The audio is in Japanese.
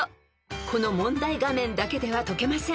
［この問題画面だけでは解けません］